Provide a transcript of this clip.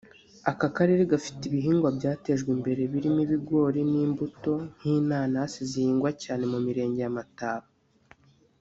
Aka karere gafite ibihingwa byatejwe imbere birimo ibigori n’imbuto nk’inanasi zihingwa cyane mu mirenge ya Mataba